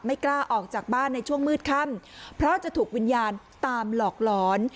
กล้าออกจากบ้านในช่วงมืดค่ำเพราะจะถูกวิญญาณตามหลอกหลอน